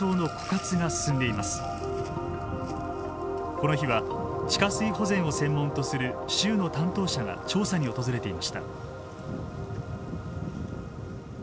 この日は地下水保全を専門とする州の担当者が調査に訪れていました。